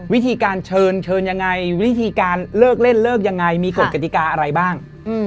วิธีการเชิญเชิญยังไงวิธีการเลิกเล่นเลิกยังไงมีกฎกติกาอะไรบ้าง